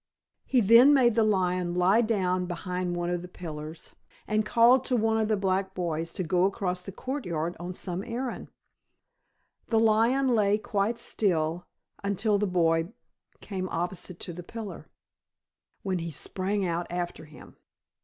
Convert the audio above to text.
He then made the lion lie down behind one of the pillars, and called to one of the black boys to go across the court yard on some errand. The lion lay quite still until the boy came opposite to the pillar, when he sprang out after him.